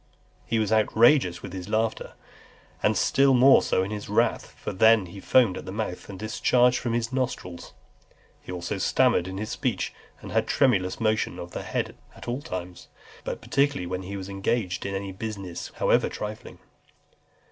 He was outrageous in his laughter, and still more so in his wrath, for then he foamed at the mouth, and discharged from his nostrils. He also stammered in his speech, and had a tremulous motion (323) of the head at all times, but particularly when he was engaged in any business, however trifling.